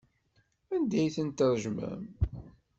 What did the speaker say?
Anda ay ten-tṛejmem?